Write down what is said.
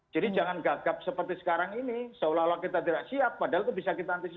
jadi jangan gagap seperti sekarang ini seolah olah kita tidak siap padahal itu bisa kita antisipasi